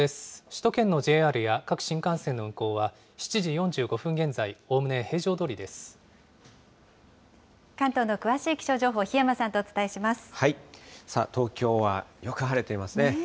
首都圏のＪＲや各新幹線の運行は７時４５分現在、おおむね平常ど関東の詳しい気象情報、檜山さあ、東京はよく晴れていますね。